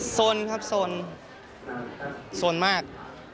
สนครับสนสนมาก